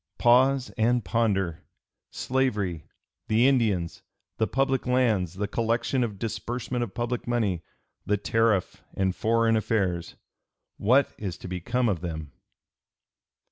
Pause and ponder! Slavery, the Indians, the public lands, the collection and disbursement of public money, the tariff, and foreign affairs: what is to become of them?"